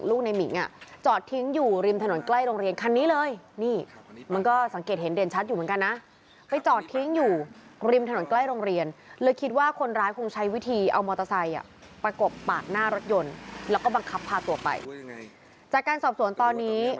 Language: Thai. อืมเพราะฉะนั้นฉันไม่เชื่อค่ะทุกคน